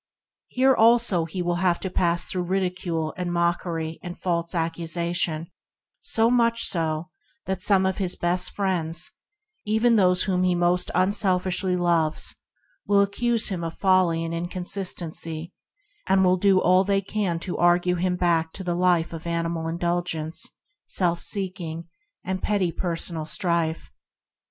Here also he will have to pass through ridicule and mockery and false E.K. 4] 48 ENTERING THE KINGDOM accusation; so much so, that some of his best friends, yea, even those whom he most unselfishly loves, will accuse him of folly and inconsistency, and will do all they can to argue him back to the life of animal indulgence, self seeking, and petty personal strife.